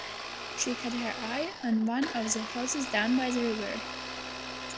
She had her eye on one of the houses down by the river.